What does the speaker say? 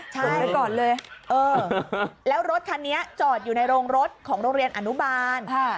ใช่ก่อนเลยเออแล้วรถคันนี้จอดอยู่ในโรงรถของโรงเรียนอนุบาล